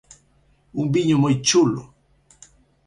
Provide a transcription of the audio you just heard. Un viño moi chulo!